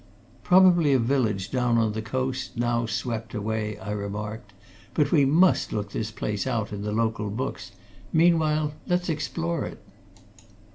"Probably a village down on the coast now swept away," I remarked. "But we must look this place out in the local books. Meanwhile let's explore it."